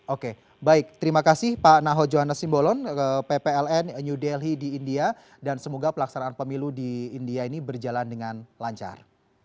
oke baik terima kasih pak naho johannes simbolon ppln new delhi di india dan semoga pelaksanaan pemilu di india ini berjalan dengan lancar